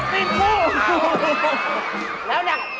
เหมือนเหี่ยวตี้นผม